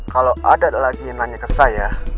kalau ada lagi yang nanya ke saya